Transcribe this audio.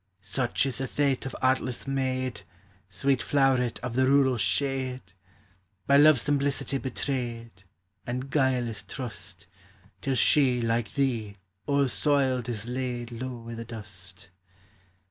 Such is the fate of artless maid, Sweet floweret of the rural shade ! By love's simplicity betrayed, And guileless trust, Till she, like thee, all soiled, is laid Low i' the dust.